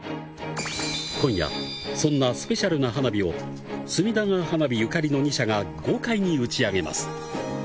今夜そんなスペシャルな花火を隅田川花火ゆかりの２社が豪快に打ち上げます。